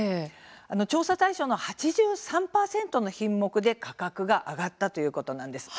調査対象の８３％の品目で価格が上がったということなんです。